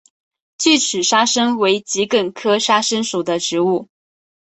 锯齿沙参为桔梗科沙参属的植物。